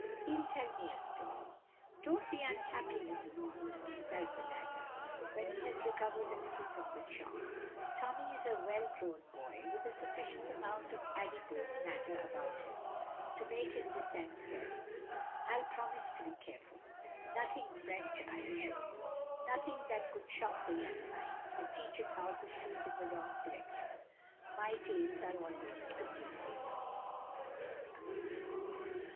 "He'll tell me a story." "Don't be unhappy, Mrs. Monkton," says the latter, when he has recovered a little from the shock Tommy is a well grown boy, with a sufficient amount of adipose matter about him to make his descent felt. "I'll promise to be careful. Nothing French I assure you. Nothing that could shock the young mind, or teach it how to shoot in the wrong direction. My tales are always strictly moral."